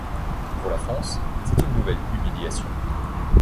Pour la France, c'est une nouvelle humiliation.